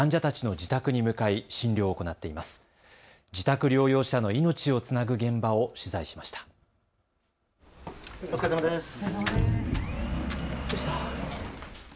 自宅療養者の命をつなぐ現場を取材しました。